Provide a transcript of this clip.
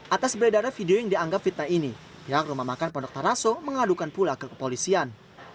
atas beredara video yang dianggap fitnah ini pihak rumah makan kondok taraso mengadukan pula kekepolisian